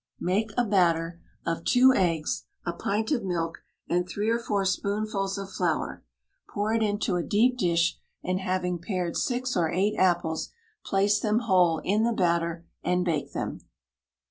Make a batter of two eggs, a pint of milk and three or four spoonfuls of flour; pour it into a deep dish, and having pared six or eight apples, place them whole in the batter, and bake them.